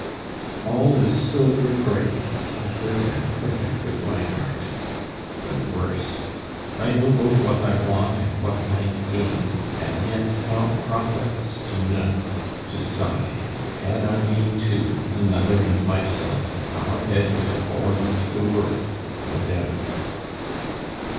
All is silver gray, Placid and perfect with my art: the worse! I know both what I want and what might gain; And yet how profitless to know, to sigh "Had I been two, another and myself, Our head would have o'erlooked the world" No doubt.